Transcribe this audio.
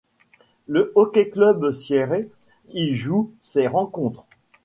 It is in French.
Le Hockey Club Sierre y joue ses rencontres.